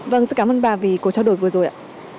vâng xin cảm ơn bà vì cuộc trao đổi vừa rồi ạ